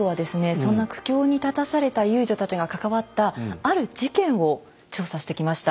そんな苦境に立たされた遊女たちが関わったある事件を調査してきました。